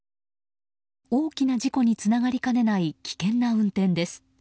大きな事故につながりかねない危険な運転です。